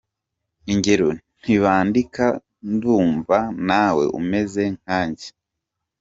Ingero:Ntibandika: Ndumva na we umeze nka nge.